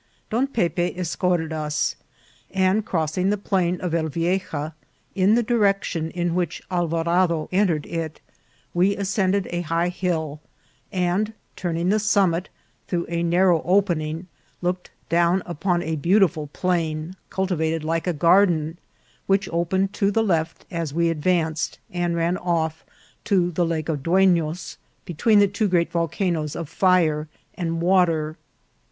Don PepS escorted us, and crossing the plain of El Vieja in the direction in which Alvarado entered it, we ascended a high hill, and, turning the summit, through a narrow opening looked down upon a beau tiful plain, cultivated like a garden, which opened to the left as we advanced, and ran off to the Lake of Duenos, between the two great volcanoes of Fire and Water.